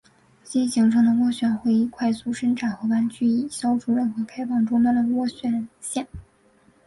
新形成的涡旋会快速伸展和弯曲以消除任何开放终端的涡旋线。